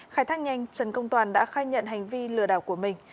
khai thác nhanh trần công toàn đã khai nhận hành vi lừa đảo của mình